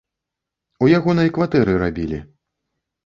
У ягонай кватэры рабілі.